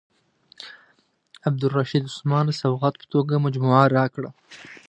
عبدالرشید عثمان د سوغات په توګه مجموعه راکړه.